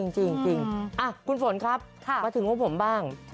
จริงคุณฝนครับมาถึงของผมบ้าง